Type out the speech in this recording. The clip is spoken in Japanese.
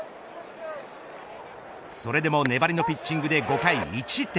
それでも粘りのピッチングで５回１失点。